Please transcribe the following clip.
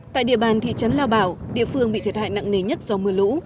tại địa bàn thị trấn lao bảo địa phương bị thiệt hại nặng nề nhất do mưa lũ